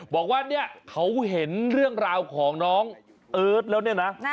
บอกว่าเนี่ยเขาเห็นเรื่องราวของน้องเอิร์ทแล้วเนี่ยนะ